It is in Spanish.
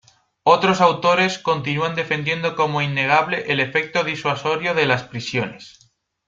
Otros autores continúan defendiendo como innegable el efecto disuasorio de las prisiones.